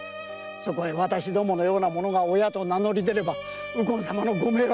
そこへ私どものような者が親と名乗り出れば右近様のご迷惑になります。